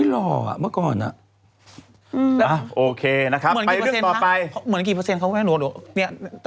เรื่องต่อไปใบคริสฯหอวังนะครับ